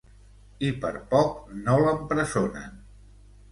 I per poc no l'empresonen...